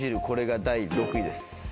これが第６位です。